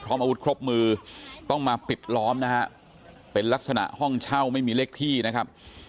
อาวุธครบมือต้องมาปิดล้อมนะฮะเป็นลักษณะห้องเช่าไม่มีเลขที่นะครับ